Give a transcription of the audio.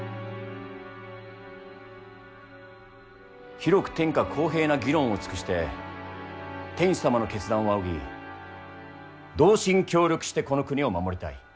広く天下公平な議論を尽くして天子様の決断を仰ぎ同心協力して、この国を守りたい。